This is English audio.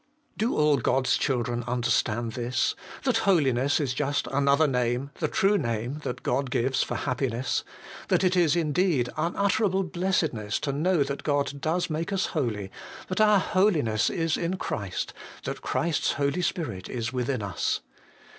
Do all God's children understand this ? tha't holiness is just another name, the true name, that God gives for happiness ; that it is indeed unutter able blessedness to know that God does make us holy, that our holiness is in Christ, that Christ's Holy Spirit is within us.